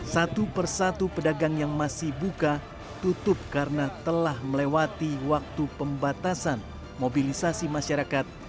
satu persatu pedagang yang masih buka tutup karena telah melewati waktu pembatasan mobilisasi masyarakat